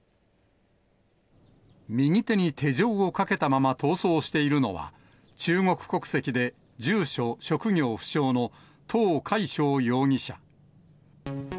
右手に手錠をかけたまま逃走しているのは、中国国籍で住所職業不詳の唐恢祥容疑者。